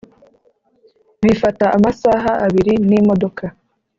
bifata amasaha abiri n'imodoka.